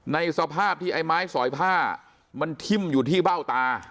ในสภาพที่ไอ้ไม้สอยผ้ามันทิ่มอยู่ที่เบ้าตา